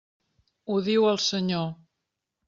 Ho diu el Senyor.